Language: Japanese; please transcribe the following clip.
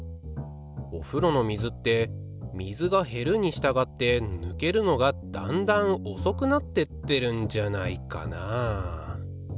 おふろの水って水が減るにしたがってぬけるのがだんだん遅くなってってるんじゃないかなあ。